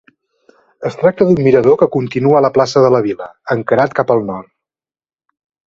Es tracta d'un mirador que continua la plaça de la Vila, encarat cap al nord.